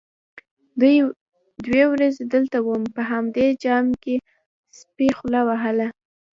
_دوې ورځې دلته وم، په همدې جام کې سپي خوله وهله.